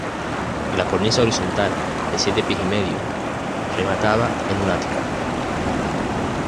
La cornisa horizontal, de siete pies y medio, remataba en un ático.